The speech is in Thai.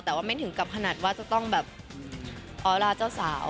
แต่ว่าไม่ถึงกับขนาดว่าจะต้องแบบออร่าเจ้าสาว